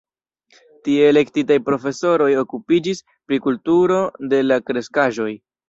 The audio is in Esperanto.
Tie elektitaj profesoroj okupiĝis pri kulturo de la kreskaĵoj.